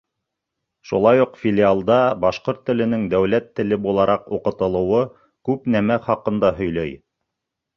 Шулай уҡ филиалда башҡорт теленең дәүләт теле булараҡ уҡытылыуы күп нәмә хаҡында һөйләй.